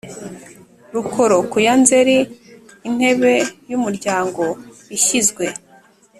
Rukoro kuya nzeri intebe y umuryango ishyizwe